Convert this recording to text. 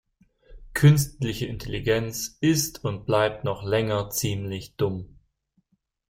Künstliche Intelligenz ist und bleibt noch länger ziemlich dumm.